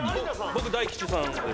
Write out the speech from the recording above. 僕大吉さんです。